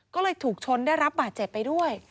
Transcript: ก็เลยถูกชนได้รับบาดเจ็บไปด้วย